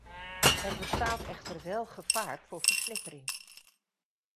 Er bestaat echter wel gevaar voor versnippering.